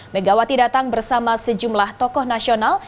megawati datang bersama sejumlah tokoh nasional